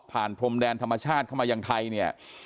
พรมแดนธรรมชาติเข้ามายังไทยเนี่ย